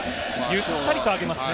ゆったりと上げますね。